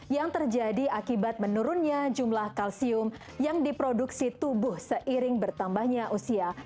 yang terjadi akibat menurunnya jumlah kalsium yang diproduksi tubuh seiring bertambahnya usia